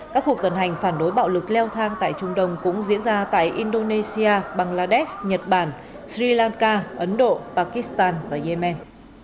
các cuộc tuần hành phản đối bạo lực leo thang tại trung đông cũng diễn ra tại indonesia bangladesh nhật bản sri lanka ấn độ pakistan và yemen